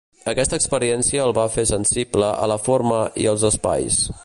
Aquesta experiència el va fer sensible a la forma i als espais.